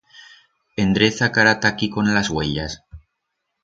Endreza cara ta aquí con las uellas.